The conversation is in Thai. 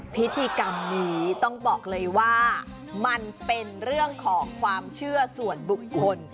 พิธีกรรมนี้ต้องบอกเลยว่ามันเป็นเรื่องของความเชื่อส่วนบุคคล